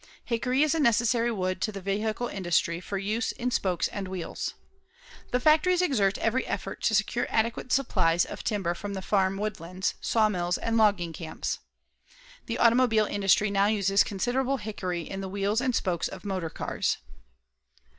Hickory is a necessary wood to the vehicle industry for use in spokes and wheels. The factories exert every effort to secure adequate supplies of timber from the farm woodlands, sawmills and logging camps. The automobile industry now uses considerable hickory in the wheels and spokes of motor cars.